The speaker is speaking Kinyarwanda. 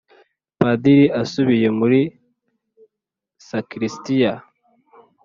padiri asubiye muri sakristiya